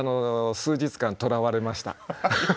数日間とらわれました。